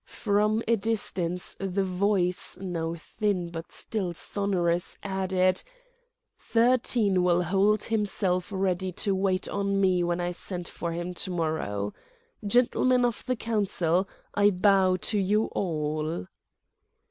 From a distance the voice, now thin but still sonorous, added: "Thirteen will hold himself ready to wait on me when I send for him to morrow. Gentlemen of the Council, I bow to you all."